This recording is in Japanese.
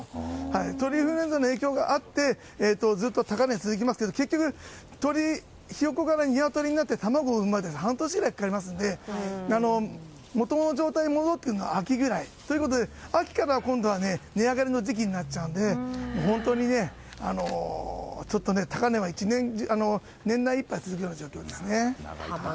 鳥インフルエンザの影響があってずっと高値が続きますけどヒヨコからニワトリになって卵を産むまでに半年くらいかかりますので元の状態に戻るのは秋ぐらい。ということで秋から今度は値上がりの時期になっちゃうので本当に、高値は年内いっぱい続く状況ですね。